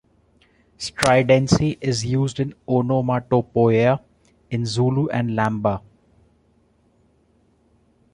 Stridency is used in onomatopoeia in Zulu and Lamba.